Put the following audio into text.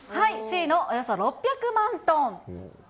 Ｃのおよそ６００万トン。